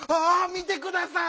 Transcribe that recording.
見てください！